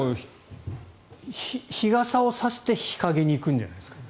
日傘を差して日陰に行くんじゃないですか。